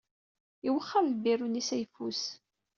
Iwexxer lbiru-nni s ayeffus.